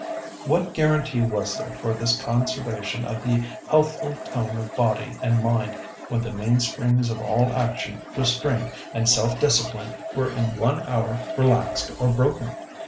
"What guarantee was there for this conservation of the healthful tone of body and mind when the mainsprings of all action, restraint, and self discipline were in one hour relaxed or broken?